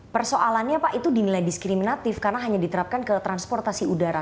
persoalannya pak itu di nilai diskriminatif karena hanya diterapkan ke transportasi udara